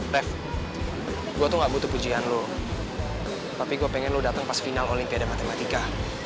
pef gue tuh gak butuh pujian lo tapi gue pengen lo datang pas final olimpiade matematika